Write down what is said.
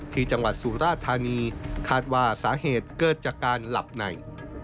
ที่จังหวัดสุราธานีคาดว่าสาเหตุเกิดจากการหลับใน